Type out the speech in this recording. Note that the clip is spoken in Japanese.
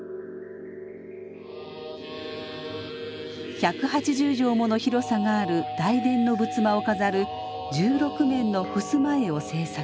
１８０畳もの広さがある大殿の仏間を飾る１６面のふすま絵を制作。